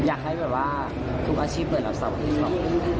อยากให้ทุกอาชีพเหมือนเราสวัสดีครับ